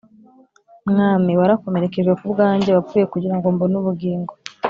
Mwami warakomerekejwe kubwanjye. Wapfuye kugira ngo mbon' ubugingo.